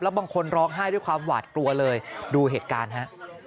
บางคนร้องไห้ด้วยความหวาดกลัวเลยดูเหตุการณ์ฮะ